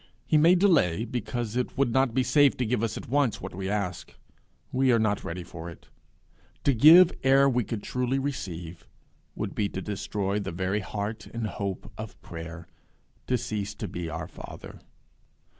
He may delay because it would not be safe to give us at once what we ask: we are not ready for it. To give ere we could truly receive, would be to destroy the very heart and hope of prayer, to cease to be our Father.